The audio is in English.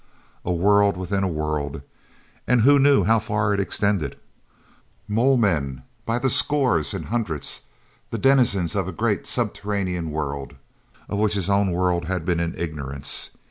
A world within a world—and who knew how far it extended? Mole men, by scores and hundreds, the denizens of a great subterranean world, of which his own world had been in ignorance.